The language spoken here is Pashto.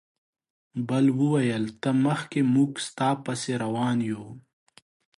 بل وویل ته مخکې موږ ستا پسې روان یو.